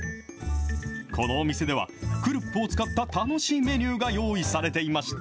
このお店では、クルッポを使った楽しいメニューが用意されていました。